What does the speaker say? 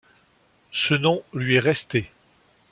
Ce nom lui est resté.